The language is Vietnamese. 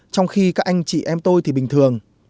trong khi các anh chị em tôi thì bình thường